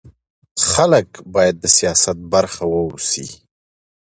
خلک باید د سیاست برخه واوسي